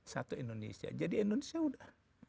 satu indonesia jadi indonesia udah